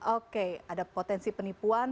oke ada potensi penipuan